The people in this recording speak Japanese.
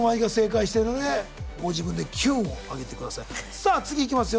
さあ次いきますよ